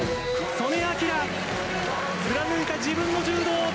素根輝貫いた自分の柔道。